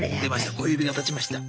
小指が立ちました。